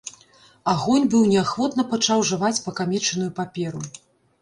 Агонь быў неахвотна пачаў жаваць пакамечаную паперу.